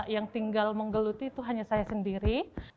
yang tinggal menggeluti itu hanya saya sendiri